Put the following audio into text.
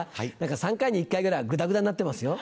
３回に１回ぐらいグダグダになってますよ。